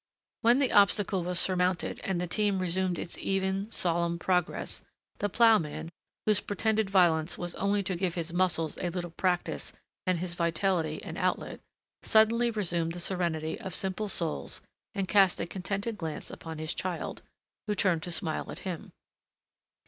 When the obstacle was surmounted and the team resumed its even, solemn progress, the ploughman, whose pretended violence was only to give his muscles a little practice and his vitality an outlet, suddenly resumed the serenity of simple souls and cast a contented glance upon his child, who turned to smile at him.